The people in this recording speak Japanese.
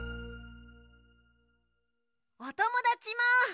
おともだちも。